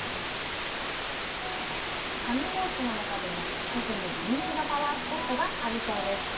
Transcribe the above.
上高地の中でも特に人気のパワースポットがあるそうです！